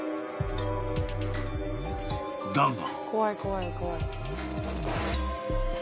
［だが］